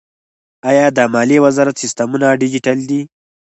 آیا د مالیې وزارت سیستمونه ډیجیټل دي؟